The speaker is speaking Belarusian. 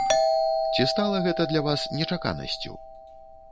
Ці стала гэта для вас нечаканасцю?